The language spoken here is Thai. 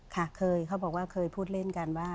ค่ะเคยเขาบอกว่าเคยพูดเล่นกันว่า